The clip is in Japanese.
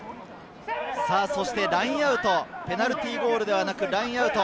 ラインアウト、ペナルティーゴールではなくラインアウト。